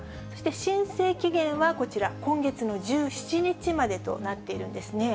申請期限はこちら、今月の１７日までとなっているんですね。